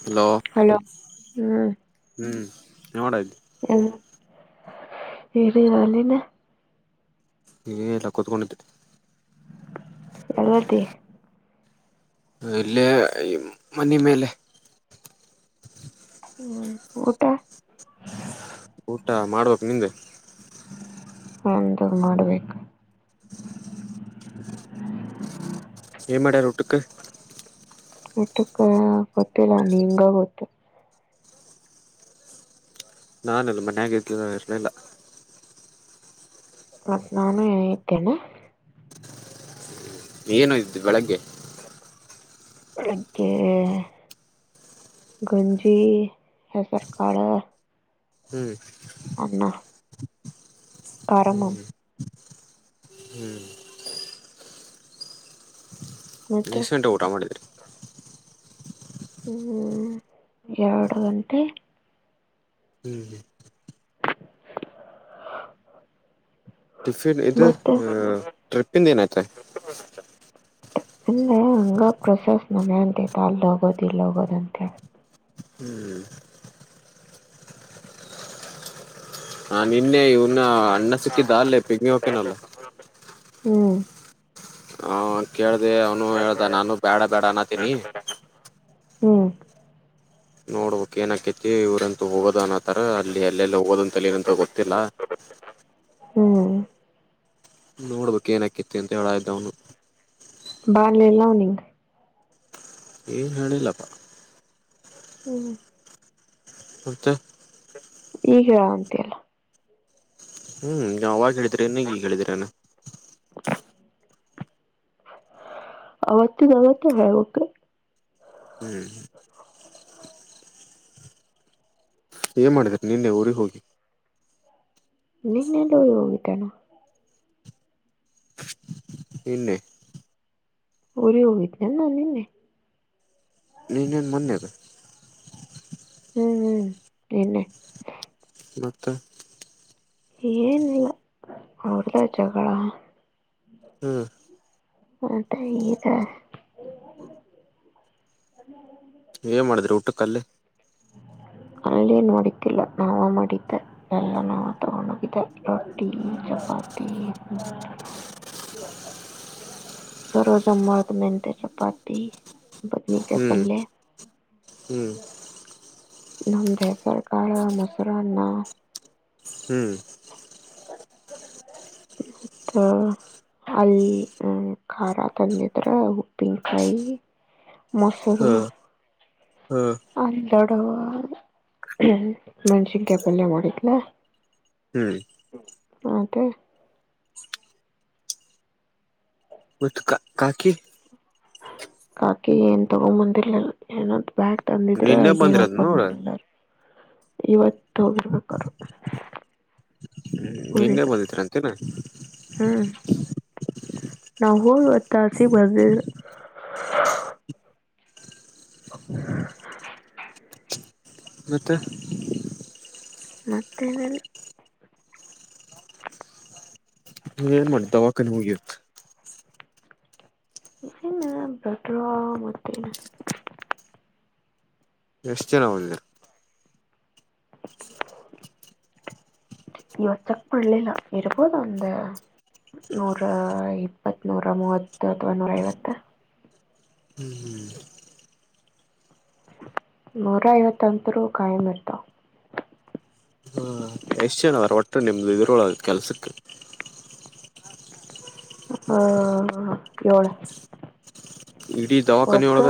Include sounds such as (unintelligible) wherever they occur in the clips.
Hello hello ಹ್ಮ್ ಹ್ಮ್ ನೋಡ ಅಲ್ಲಿ. (unintelligible) ಏನು ಇಲ್ಲ ಕೂತ್ಕೊಂಡಿದ್ದೆ. ಎಲ್ಲದಿ. ಇಲ್ಲೇ ಮನೆ ಮೇಲೆ. ಹ್ಮ್ ಊಟ. ಊಟ ಮಾಡಬೇಕು ನಿಂದ. ನಂದು ಮಾಡಬೇಕು. (unintelligible) ಏನ್ ಮಾಡ್ಯರ ಊಟಕ. ಊಟಕ ಗೊತ್ತಿಲ್ಲ ನಿಂಗ್ ಗೊತ್ತು. ನಾನ ಇಲ್ಲ ಮನ್ಯಾಗ ಇರ್ಲಿಲ್ಲ. ಮತ್ ನಾನು ಇದೇನು ಏನು ಇದ್ದು ಬೆಳಗ್ಗೆ ನಂಗೆ. ಗಂಜಿ ಹೆಸರ ಕಾಳ. ಹ್ಮ್. ಅನ್ನ. ಕರ್ಮ. ಮತ್ತೆ ಎಷ್ಟು ಘಂಟೆಗೆ ಊಟ ಮಾಡಿದಿ. ಹ್ಮ್ ಎರಡು ಗಂಟೆ. ಹ್ಮ್ ಟಿಫಿನ್ ಇದು ಮತ್ತೆ ಟ್ರಿಪ್ಪಿಂದ ಏನತ. ಅಲ್ಲೆ ಹಂಗ ಪ್ರೊಸೆಸ್ ನಡ್ಯಾತತಿ ಅಲ್ಲಿ ಹೋಗೋದ್ ಇಲ್ಲಿ ಹೋಗೋದ ಹ್ಮ್ ಹಾ ನಿನ್ನೆ ಇವನ್ನ ಅಣ್ಣ ಸಿಕ್ಕಿದ್ದ ಅೆ ಪಿಗಿನ ಹೋತನಲ್ಲ ಹ್ಮ್ ಹ ಕೇಳ್ದ ಅವನು ಹೇಳ್ದ ನಾನು ಬೇಡ ಬೇಡ ಅನತೀನಿ ಹ್ಮ್ ನೋಡ್ಬೇಕು ಏನಕೆತ್ತಿ ಇವರಂತೂ ಹೋಗೋದ ಅನ್ನೋತರ ಅಲ್ಲಿ ಅಲ್ಲೆಲ್ಲೇ ಹೋಗೋದಂತಲನಂತ ಗೊತ್ತಿಲ್ಲ ಹ್ಮ್ ನೋಡ್ಬೇಕ ಏನಕಿತಿ ಅಂತ ಹೇಳ ಇದ್ದ ಅವ್ನು ಬಾರ್ಲೆಲ್ಲಾ ನೀಂಗ ಏನ್ ಹೇಳಿಲ್ಲಪ್ಪ ಹ್ಮ್ ಹತೆ ಈಗ ಹೇಳ ಅಂತ ಅಲ್ಲ ಹ್ಮ್ ಅವಾಗ ಹೇಳಿದ್ರಿ ಇನ್ನಗ ಹೇಳಿದ್ರಾನ ಅವತ್ತುದ ಅವತ್ತು ಹೇಳಬೇಕು ಹ್ಮ್್ಮ ಏನ್ ಮಾಡಿದ್ರ ನಿನ್ನೆ ಊರಿಗೆ ಹೋಗಿ ನಿನ್ನೆಲ್ಲ ಉ ಯೋಗಿಕಣ ಇನ್ನು ಊರಿ ಹೋಗಲನ್ನ ನಿೆ ನೀನ್ನೇನು ಮೊನ್ನಿದೆ ಹ್ಮ್ ಹ್ಮ್ ಎನ್ನ ಮಕ್ಕ ಏನಿಲ್ಲ ಅವ್ರ್ದ ಜಗಳಗಳ ಹ್ಮ್ ಹ ಈ ಏನ್ ಮಾಡಿದ್ರಿ ಊಟಕ್ಕಲ್ಲಿ ಅಲ್ಲೇನ್ ಮಾಡೋತಿಲ್ಲ ನಾವ ಮಾಡಿದ್ದೆ ಎಲ್ಲ ನಾವ ತಗೊಂಡ ಹೋಗಿದ್ದೆ ರೊಟ್ಟಿ ಬೌ ಸರೋಜಾ ಮರ್ದ ಮೆಂತೆ ಚಪಾತಿ ಪತ್ನಿ ಕ ಹ್ಮ್ ಪಲೇ ಹ್ಮ್ ನಮ್ದ ಸರ್ ಕಾಳ ಮೊಸರನ್ನ ಹ್ಮ್ ಅತ್ತಾ ಅಲ್ಲಿ ಖಾರ ತಂದಿದ್ರ ಉಪ್ಪಿನಕಾಯಿ ಹ ಮೊಸರು ಹ ಅಲ್ಲಡ ್ಮ ಮನುಷ ಪಲ್ ಮೂಡಿಲ ಹ್ಮ್ ಹಕೆ ಕ ಕಾಕಿ ಕಾಕಿ ಏನ್ ತಗೊಂಬಂದಿರ್ಲಿಲ್ಲ ಏನಾದ ಬ್ಯಾಗ್ ತಂದಿದ್ರ ನಿನ್ನೆ ಏನ್ ಬಂದ್ರದ್ ಓಪನ್ ನೋಡ ಮಾಡಿಲ್ಲ ಇವತ್ತು ಹೋಗಿರ್ಬೇಕ್ರ ನಿನ್ನೇ ಬಂದತ್ರ ಅಂತೇನಾ ಹ್ಮ್ ನವುರು ವತ್ತಾಾಸಿ ಬದಲ್ ಹ ಮತ್ತ ಮತ್ತೇನಲ್ ಏನ್ ಮಾಡ ದವಾಖಾನ ಹೋಗಿತ್ ನು ಬೆಟ್ರಾ ಮತ್ತೇನ ಎಷ್ಟು ಜನ ಅವಿಲ್ಲ (inaudible) ಇವ ಚಕ್ ಮಾಡಣಲಿಲ್ಲ ಇಬೋದು ಅಂದ ನೂರ ಇಪ್ಪತ್ ನೂರ ಮೂವತ್ತು ಅಥವಾ ನೂರ ೈವತ್ತು ಮರ ಯ ತಂತ್ರತ್ರ ಕಾಯಮತ ಯಶ್ಯನ್ ಅವರ ಒಟ್ಟ ನಿಮ್ಮ್ದ ಎದುರೊಳ ಕೆಲಸಕ್ಕೆ ಹಾ ಕೋಳ ಇಡೀ ದವಾಖಾನೆ ಒಕ್ಕ ಒಳಗ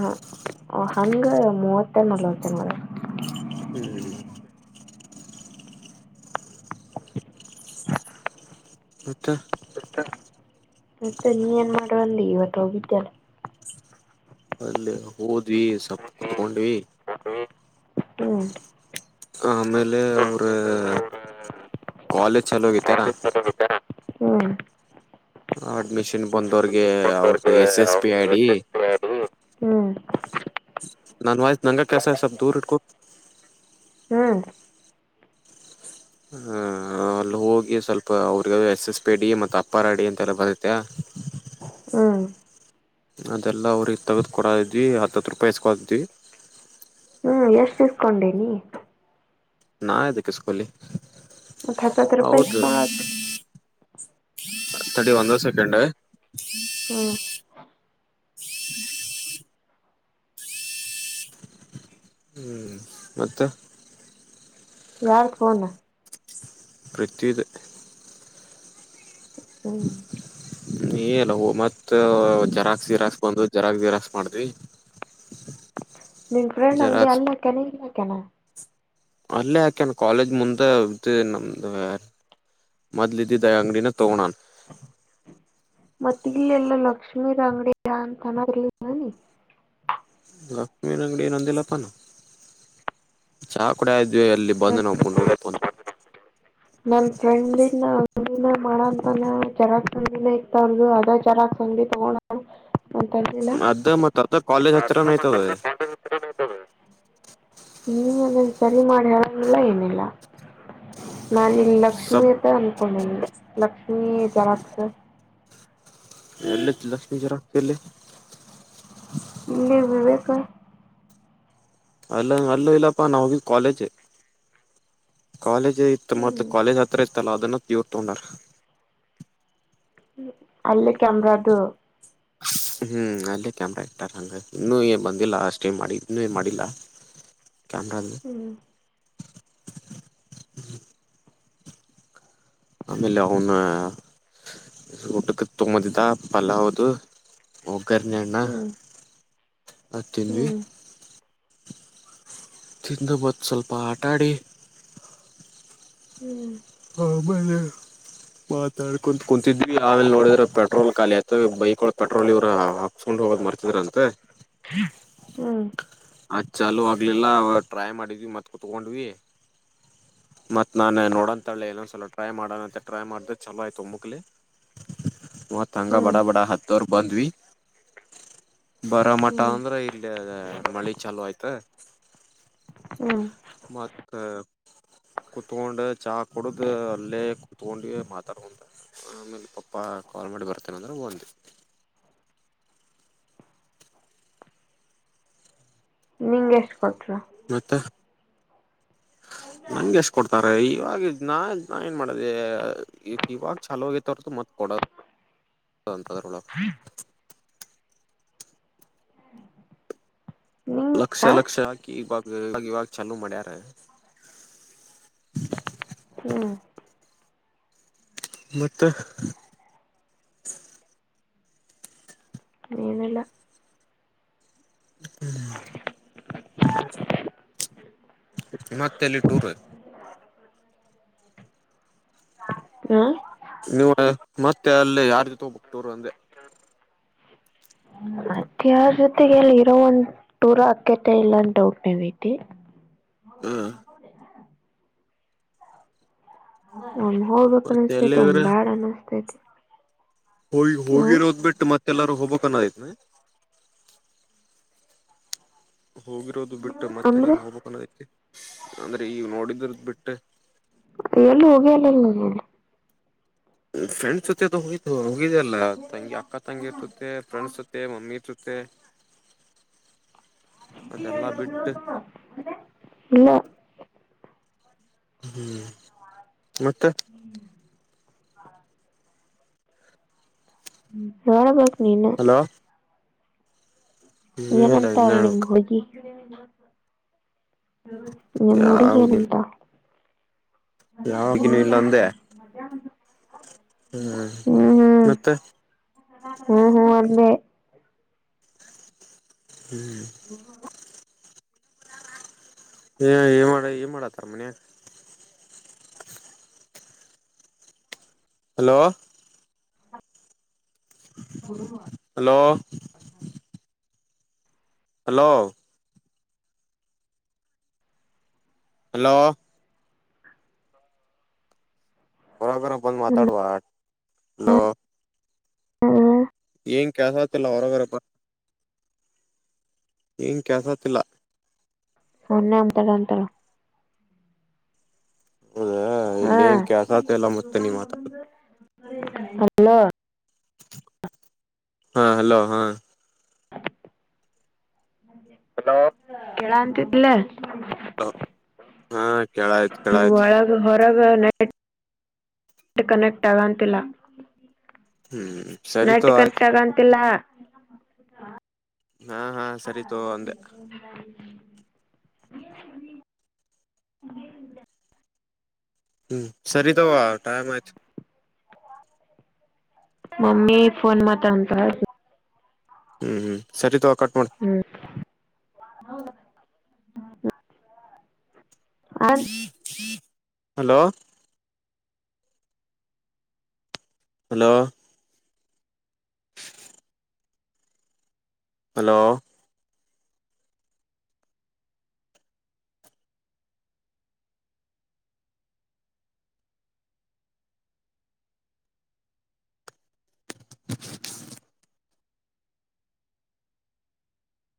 ಹ ಹಗೆ ಮೂವತ್ತೆರ ಮಲಚನ್ ಮ ಹ್ಮ್ ಹತ್ತ ಮತ್ತೆ ನೀ ಏನ್ ಮಾಡುವಲ್ಲಿ ಇವತ್ತು ಹೋಗಿದ್ಯಲ್ಲ ಅಲ್ಲಿ ಹೋದ್ವಿ ಸವಪ್ಪ ಕುೂತ್ಕೊಂಡ್ವಿ ಹ್ಞೂ ಆಮೇಲೆ ಅವ್ರ ಕಾಲೇಜ್ ಚಲೋೋಗೈತ ಹ್ಞೂ ಅಡ್ಮಿಷನ್ ಬಂದವ್ರಿಗೆ ಅವ್ರದ್ದು S S P I D ಹ್ಞೂ ನಾನ್ ವಾಯ್ತು ನಂಗ ಕೆಸ ಸ್ವಲ್ ದೂರ್ ಇಟ್ಕೋ ಹ್ಞೂ ಅಲ್ಲಿ ಹೋಗಿ ಸ್ವಲ್ಪ ಅವ್ರಗ ಎಸ್ ಎಸ್ ಪಿ ಡಿ ಮತ್ತು ಅಪ್ಪಾರ ಡಿ ಅಂತೆಲ್ಲ ಬರತ್ತೆ ಹ್ಮ ಅದೆಲ್ಲ ಅವ್ರಿಗೆ ತಗದುಕೊಡ ಇದಿದ್ವಿ ಹತ್ತು ಹತ್ತು ರೂಪಾಯಿ ಎಸ್ಕೊತ್ವಿ ಹ್ಮ್ ಎಷ್ಟು ತಸ್ಕೊಂಡೇನಿ ನಾ ಇದ್ದಕ್ಕೆಿಸಕಲ್ಲಿ ಮ ಹತತ್ರ ಪೈಸ ಕಡ ಆತ ತರ್ಟಿ ಒಂದಂದ ಸೆಕಂಡ ಹ್ಞೂ ಮತ್ತುತ್ತೆ ಯಾರತ್ಕಣ ಪ್ರತಿದ ಹ್ಮ್ ನೀಲ್ಲ ಮತ್ತ ಜರಾಕ್ ಜಿರಾಸ್ ಬಂದು ಜರಾಕ್ ಜಿ ರಸ್ ಮಾಡ್ವಿ ನಿನ್ ಫ್ರೆಂಡ್ ಅಂಗಗೆ ಜೆರಾಕ್ಸ್ ಅಲ್ಲ ಕೆನೆ ಇಲ್ಲ ಕೆ್ಯನೆ ಅಲ್ಲೇ ಯಾಕೆನ್ ಕಾಲೇಜ್ ಮುಂದೆ್ದ ನಮ್ದಾರ ಮದಲಿಧಿ ದಯಾಂಗಡಿಿನ ತೋಣಾನ್ ಮತ್ತೆ ಇಲ್ಲೆಲ್ಲ ಲಕ್ಷ್ಮೀ ರ ಅಂಗಡ ಅಂತನ ಲಕ್ಷ್ಮೀಿನ ಅಂಗಡಿ ನೊಂದಿಲ್ಲಪ್ಪಾನ ಚಾ ಕೂಡ ಆಯ್ದು ಮದುವಲ್ಲಿ ನಾ ಬಂದು ನಾವು ಮುೋಡಕ ನನ್ ಫ್ರೆಂಡಿನ ನ ಇ ತರ್ದದು ಅದ ಚರಾಗಿ ಸಂಗಿ ತಗೋಣ (inaudible) ಅದ ಮತ್ ಅದ ಕಾಲೇಜ್ ಹತ್ತಿರನ ಐತದ ನೀ ಅದನ್ನು ಸರಿ ಮಾಡಿ ಹೇಳೋಂಗಿಲ್ಲ ಏನಿಲ್ಲ ನಾನು ಲಕ್ಷ್ಮೀ ಸಬ್ ಅತೆ ಅನ್ಕೊಂಡನಿ ಲಕ್ಷ್ಮೀ ಜರಾಕ್ಸ್ ಎಲ್ಲ ಲಕ್ಷ್ಮೀ ಜ್ವರ ಹತಲ್ಲಿ ಇಲ್ಲಿಬೇಕೇಕ ಅಲ್ಲ ಅಲ್ಲ ಇಲ್ಲಪ್ಪ ನಾವಿ ಕಾಲೇಜೆ ಕಾಲೇಜ್ ಇತ್ತು ಮೊದ್ಲು ಹ್ಮ್ ಕಾಲೇಜ್ ಹತ್ರ ಇತ್ತಲ್ಲ ಅದನ್ನ ತ ತೊಂಡ ಅಲ್ಲ ಕೆಮ್ರ ಅದು ಹ್ಮ್ ಅಲ್ಲೇ ಕ್ಯಾಮ್ರಾ ಇಟ್ಟಾರ ಹಂಗ ಇನ್ನೂ ಏ ಬಂದಿಲ್ಲ ಅಷ್ಟೇ ಮಾಡಿ ಇನ್ನೂ ಮಾಡಿಲ್ಲ ಹ ಕ್ಯಾಮರದು ಆಮೇಲೆ ಅವನ ಊಟಕ್ಕೆ ತಮ್ಮದದಾ ಪಲಾವದು ಕರ್ನ್ನಣ್ಣ ಹ್ಮ್ ಹತ್ತನ್ವಿ ಹ್ಮ್ ತಿಂದು ಬತ್ತು ಸ್ವಲ್ಪ ಆಟಾಡಿ ಹ್ಮ್ ಹ ಮೇಲೆ ಮಾತಾಡ್ಕ ಕುಂತಿದ್ವಿ ಆಮೇಲೆ ನೋಡಿದ್ರೆ ಪೆಟ್ರೋಲ್ ಖಿ ಆಯತ ಬೈಕ್ ಒಳ ಪೆಟ್ರೋಲ್ ಇವ್ರ ಹಾಕ್ಸ್ಕ ಹೋಗ್ ಮರ್ತಿದ್ರಂತೆ ಹ್ಮ್ ಅ ಚಲ ಆಗ್ಲಿಲ್ಲ ಟ್ರೈ ಮಾಡಿದ್ವಿ ಮತ್ಕೂ ತಕೊಂಡ್ವಿ ಮ ನಾನು ನೋಡಂತ ಿ ನೊಂದ್ಸಲ ಟ್ರೈ ಮಾಡೋಣ ಟ್ರೈ ಮಾಡ್ದ ಚಲೋ ಆಯ್ತು ಮುಕ್ಲಿ ಮತ್ತಂಗ ಬಡ ಹ್ಮ್ ಹ್ಮ್ ಬಡ ಹತ್ತವರು ಬಂದ್ವಿ ಬರ ಮಠ ಅಂದ್ರೆ ಇಲ್ಲಿ ಮಳಿ ಚಲೋ ಆಯ್ತ ಹ್ಮ್ ಮತ್ತ ಕುತ್ಕೊಂಡ ಚಾ ಕೊಡದು ಅಲ್ಲೇ ಕುೂತ್ಕೊಂಡ ಮಾತಾಡುವಂತ ಆಮೇಲೆ ಪಪ್ಪ ಕಾಲ್ ಮಾಡಿ ಬರ್ತೇನೆ ಅಂದ್ರೆ ಒಂದು ಹ ನಿಂ ಎಷ್ಟ ಕೊಟ್ರ ಮತ್ತ ನಂಗೆ ಎಷ್ಟ್ ಕೊಡ್ತಾರೆ ಇವಾಗ ನಾ ನಾ ಏನ್ ಮಾಡೋದ ಇವಾಗ ಚಛಲೋೋಗತರ ಮತ್ ಕೊಡೋದು (inaudible) ಹಂತದರಳ ಹಾ ಲಕ್ಷ ಲಕ್ಷ ಹಾಕಿ ಬಾ ಇವಾಗ ಇವಾಗ ಚೆಂದ ಮ್ಯಾರ ಹ್ಮ ಮತ್ತುತ್ತೆ ನೀನಲ್ಲ ಹ್ಮ್ ಇಮತ್ತಲಿ ಟೂರ್ ಹಾ ನೀವು ಮತ್ತೆ ಅಲ್ಲಿ ಯಾರ ಜೀತೆ ಹೋಗ್ಬಿಟ್ಟವರು ಅಂದೆ ಅತ್ತ ಜೊತೆಗೆಲ್ಲಿ ಇರೋ ಒಂದ ಟೂರ್ ಅಕ್ಕತೆ ಇಲ್ಲ ಅಂತ ಡೌಟ್ ನವಐತಿ ಹ್ಮ ಒನ್್ ಹೋಗ್ಬೇಕಕ್ ಮತ್ತೆ ಅನಸ್ತೈತೆ ಒಂದ್ ಎಲ್ಲಿವ್ರ ಬ್ಯಾಡ ಅನಸ್ತೈತಿ ಹೋಗಿ ಹೋಗಿರೋದ್ ಬಿಟ್ಟು ಮತ್ತೆಲ್ಲಾರೂ ಹೋಗ್ಕನಯತ್ನ ಹೋಗಿರೋದು ಬಿಟ್ಟು ಅಂದ್ರೆ ಮತ್ತೆಲ್ಲಾರೂ ಹೋಗ್ಬೇಕಕ್ ಅನ್ನೋದಕ್ಕೆ ಅಂದ್ರೆ ಈಗ ನೋಡಿದ್ರದ ಬಿಟ್ಟೆ ಅಯಲ್ಲಿ ಹೋಗಿಲ್ಲಲ್ಲ ್ರೆಂಡ್ಸ್ ಹೋಗ್ತ ಮುಗಿದಲ್ಲ ತಂಗಿ ಅಕ್ಕ ತಂಗಿ ಇರ್ತೆ ಫ್ರೆಂಡ್ಸ್ ಇತ್ತೆ ಮಮ್ಮಿ ಇರ್ತತೆ ಬಿಟ್ಟು ಇಲ್ಲ ಹ್ಮ್ ಮತ್ತೆ ಹ್ಮ್ ್ಮ ಎೋಡ ಬಕನನ್ನ ಹಲೋ ಇಲ್ಲ ಏನಂತ ಇನ್ನ ನಿಮ್ ಹೇಳ್ಬೇಕ ಹುಡುಗಿ ಈ ಮೂಡಿಗೆಏನಂತಾ ಯಾವಾಗಿನೂ ಇಲ್ಲ ಅಂದೆ ಹ್ಮ್ ಮತ್ತೆ ಹ್ಮ್ ಹ್ಮ್ ಅೇ ಹ್ಮ್ ಏ ಏ ಮಾಡ ಏನ್ ಮಾಡತ್ತ ಮನ್ಯ ಹಲೋ ಹಲೋ ಹಲೋ ಹಲೋ ಬರಬರ ಬಂದು ಮಾತಾಡುವಲೋ ಹಾ ಏನ್ ಕೆಸ ಆಗ್ತಿಲ್ಲ ಹೊರಗರಪ್ಪ ಇ ಕೆಸಾ ಚಲ್ಲಾ ಸೊನ್ನೆ ಅಂತರ ಅಂತರ ಹೌದಾ ಹಾ ಇಲ್ಲಿ ಏನ್ ಕೆಲ್ಸತಿಲ್ಲ ಮತ್ತೆ ನೀ ಮಾತಾಡ ಹಲ ಹಾ ಹಲೋ ಹಾ ಕೇಳ ಅಂತಿದಿಲ್ಲ ಹಾ ಕೇಳಾಯ್ತು ಕಳಾಯ್ತು ಪ್ರಗ ನ ನೆಟ್ ಕನಕ್ಟ್ ಆಗಾನ್ಂತಲಾ ಹ್ಮ್ ನಟ ಸರಿತೋ ಕಷ್ಟ ಆಯ್ತು ಆಗಂತಿಲ್ಲ ಹಾ ಹಾ ಸರಿತು ಅಂದೆ ಹ ಹ್ಮ್ ಸರಿ ತಾವ ಟೈಮ್ ಆಯ್ತು ಮಮ್ಮೀಫನ್ ಮ ತ ಅಂತ ಹ್ಮ್ ಹ್ಮ್ ಸರಿ ತಗ ಕಟ್ ಮಾಡೋ ಆ ಹಲೋ ಹಲೋ ಹಲೋ (inaudible)